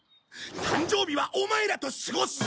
誕生日はオマエらと過ごす！